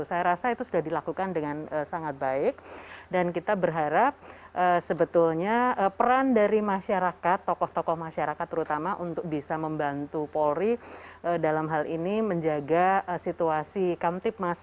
saya rasa itu sudah dilakukan dengan sangat baik dan kita berharap sebetulnya peran dari masyarakat tokoh tokoh masyarakat terutama untuk bisa membantu polri dalam hal ini menjaga situasi kamtip mas